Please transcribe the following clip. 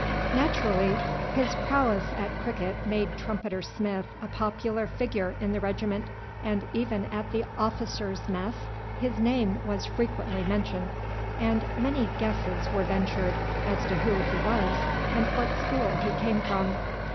Naturally his prowess at cricket made Trumpeter Smith a popular figure in the regiment, and even at the officers' mess his name was frequently mentioned, and many guesses were ventured as to who he was and what school he came from.